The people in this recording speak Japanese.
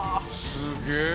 すげえ。